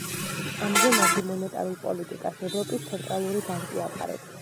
ამ ზონაში მონეტარულ პოლიტიკას ევროპის ცენტრალური ბანკი ატარებს.